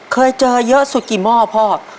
เคยเจอเยอะสุดกี่หม้อพ่อ